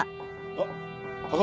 あっ。